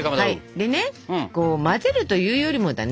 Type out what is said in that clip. でねこう混ぜるというよりもだね。